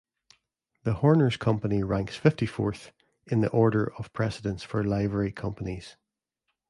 The Horners' Company ranks fifty-fourth in the order of precedence for Livery Companies.